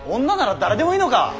女なら誰でもいいのか！